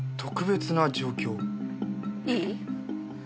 いい？